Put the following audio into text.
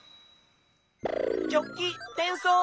ジョッキてんそう！